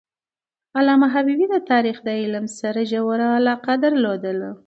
علامه حبیبي د تاریخ د علم سره ژوره علاقه درلودله.